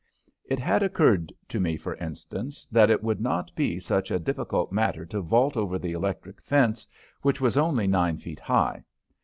It had occurred to me, for instance, that it would not be such a difficult matter to vault over the electric fence, which was only nine feet high.